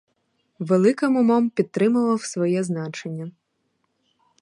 Великим умом підтримував своє значення.